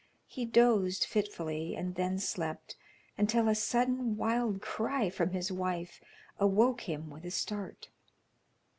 He dozed fitfully, and then slept until a sudden wild cry from his wife awoke him with a start.